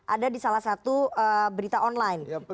ada di salah satu berita online